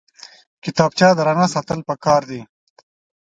کتابچه درنه ساتل پکار دي